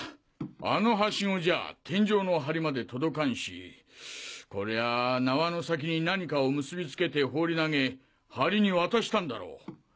あのハシゴじゃ天井のハリまで届かんしこりゃ縄の先に何かを結びつけて放り投げハリに渡したんだろう。